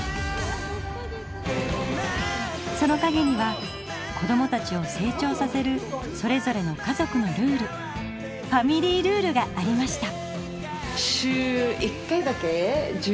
そのかげには子どもたちを成長させるそれぞれの家族のルールファミリールールがありました！